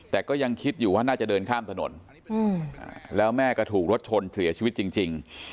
แต่ก็ยังคิดอยู่ว่าน่าจะเดินข้ามถนนแล้วแม่ก็ถูกรถชนเสียชีวิตจริง